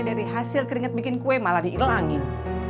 dari hasil keringat bikin kue malah dihilangin